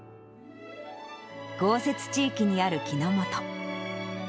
豪雪地域にある木之本。